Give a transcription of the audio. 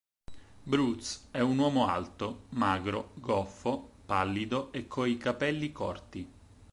Broots è un uomo alto, magro, goffo, pallido e coi capelli corti.